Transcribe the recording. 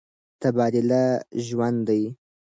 تبادله ژوند دی.